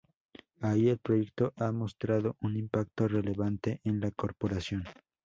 Ahí el proyecto ha mostrado un impacto relevante en la corporación".